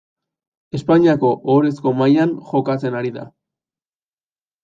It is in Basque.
Espainiako Ohorezko mailan jokatzen ari da.